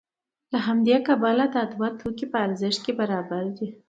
له همدې کبله دا دوه توکي په ارزښت کې برابر دي